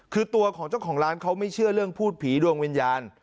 คือตัวของเจ้าของร้านเขาไม่เชื่อเรื่องพูดผีดวงวิญญาณ